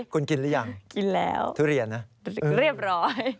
คุณกินรึยังทุเรียนนะเรียบร้อย